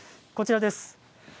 こちらです。